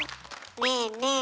ねえねえ